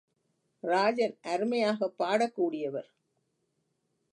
ராஜன் அருமையாகப் பாடக் கூடியவர்.